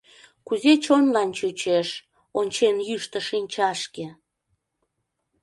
— Кузе чонлан чучеш, ончен йӱштӧ шинчашке?